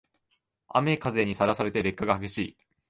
雨風にさらされて劣化が激しい